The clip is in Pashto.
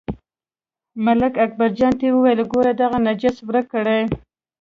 ملک اکبرجان ته وویل، ګورئ دغه نجس ورک کړئ.